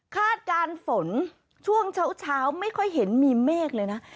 คาดการณ์ฝนช่วงเช้าไม่ค่อยเห็นมีเมฆเลยนะ